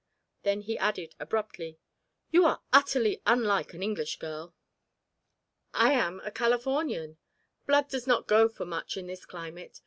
Then he added abruptly: "You are utterly unlike an English girl." "I am a Californian. Blood does not go for much in this climate.